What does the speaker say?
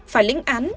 phải lĩnh án